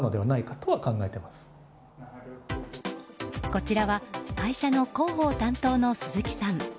こちらは会社の広報担当の鈴木さん。